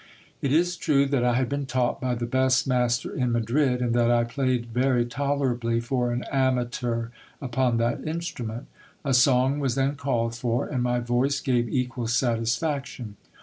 It is true that I had been taught by the best master in Madrid, and that I played very tolerably for an amateur upon that instrument. A song was then called for, and my voice gave equal satis faction.